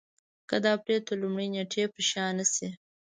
که د اپرېل تر لومړۍ نېټې پر شا نه شي.